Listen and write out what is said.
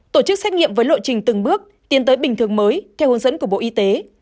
tổ chức xét nghiệm với lộ trình từng bước tiến tới bình thường mới theo hướng dẫn của bộ y tế